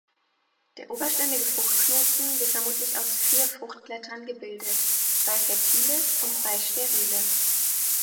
Der oberständige Fruchtknoten wird vermutlich aus vier Fruchtblättern gebildet: zwei fertile und zwei sterile.